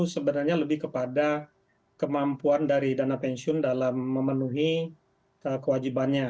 sebenarnya lebih kepada kemampuan dari dana pensiun dalam memenuhi kewajibannya